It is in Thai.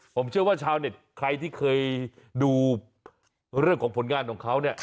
ผมเชื่อว่าชาวแก่เน็ทเคยดูเรื่องผลงานของเขา